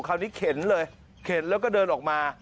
คราวนี้เข็นเลยเข็นแล้วก็เดินออกมา